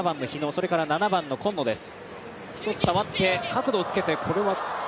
それから７番の今野です。